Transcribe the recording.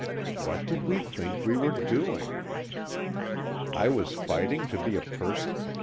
_What did we think we were doing? I was fighting to be a person?